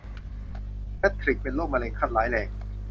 แพททริคเป็นโรคมะเร็งขั้นร้ายแรง